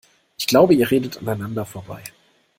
Ich glaube, ihr redet aneinander vorbei.